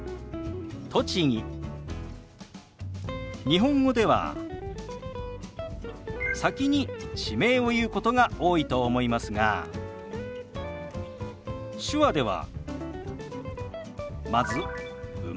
日本語では先に地名を言うことが多いと思いますが手話ではまず「生まれ」。